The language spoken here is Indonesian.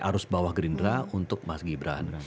arus bawah gerindra untuk mas gibran